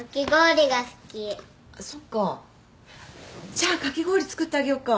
じゃあかき氷作ってあげよっか？